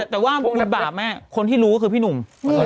แต่ว่าบุญบาปแม่คนที่รู้ก็คือพี่หนุ่ม